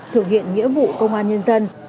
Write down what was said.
thực hiện nghĩa vụ công an nhân dân